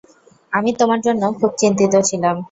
আমি তোমার জন্য খুব চিন্তিত ছিলাম।